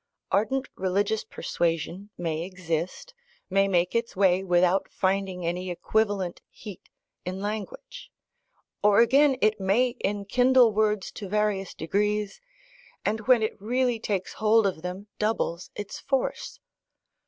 Ardent religious persuasion may exist, may make its way, without finding any equivalent heat in language: or, again, it may enkindle words to various degrees, and when it really takes hold of them doubles its force.